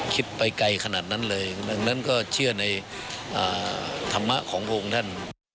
คิดไปไกลขนาดนั้นเลยดังนั้นก็เชื่อในธรรมะของพระองค์ท่าน